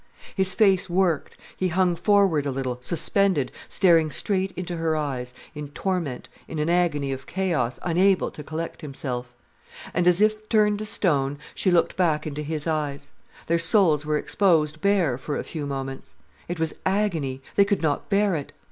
His face worked, he hung forward a little, suspended, staring straight into her eyes, in torment, in an agony of chaos, unable to collect himself. And as if turned to stone, she looked back into his eyes. Their souls were exposed bare for a few moments. It was agony. They could not bear it.